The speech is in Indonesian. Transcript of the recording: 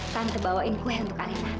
tante bawain kue untuk alina